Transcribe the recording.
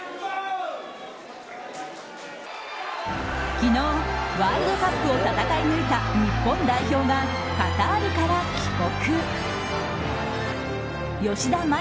昨日ワールドカップを戦い抜いた日本代表がカタールから帰国。